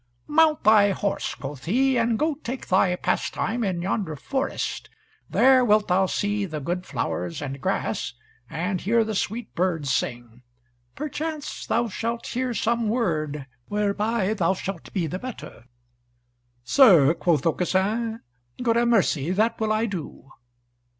"Mount thy horse," quoth he, "and go take thy pastime in yonder forest, there wilt thou see the good flowers and grass, and hear the sweet birds sing. Perchance thou shalt hear some word, whereby thou shalt be the better." "Sir," quoth Aucassin, "gramercy, that will I do."